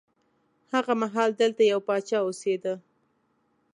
هغه مهال دلته یو پاچا اوسېده.